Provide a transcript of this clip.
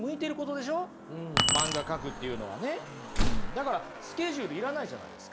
だからスケジュール要らないじゃないですか。